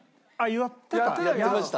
やってました。